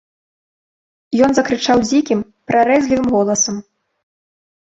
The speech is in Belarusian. Ён закрычаў дзікім, прарэзлівым голасам.